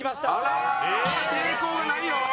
抵抗がないよ。